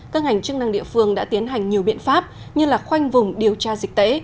các ngành chức năng địa phương đã tiến hành nhiều biện pháp như là khoanh vùng điều tra dịch tễ